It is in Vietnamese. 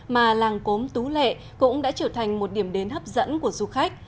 mà làng cốm tú lệ cũng đã trở thành một điểm đến hấp dẫn của du khách